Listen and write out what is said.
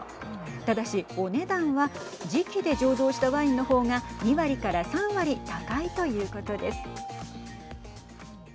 ただし、お値段は磁器で醸造したワインの方が２割から３割高いということです。